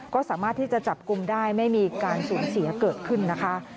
ก็สามารถที่จะจับกลุ่มได้ไม่มีการสูญเสียเกิดขึ้นนะคะ